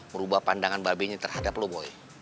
merubah pandangan babinya terhadap lo boy